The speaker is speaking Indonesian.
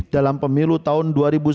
dalam pemilu tahun dua ribu sembilan belas